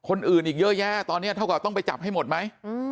คนอื่นอีกเยอะแยะตอนนี้เท่ากับต้องไปจับให้หมดไหม